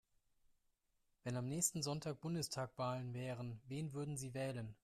Wenn am nächsten Sonntag Bundestagswahl wäre, wen würden Sie wählen?